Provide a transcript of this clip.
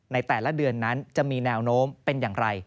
ในแต่ละเดือนนั้นจะมีแนวโน้มเป็นอย่างไร